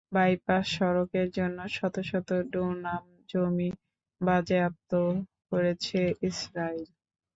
Bypass সড়কের জন্য শত শত ডুনাম জমি বাজেয়াপ্ত করেছে ইসরাইল।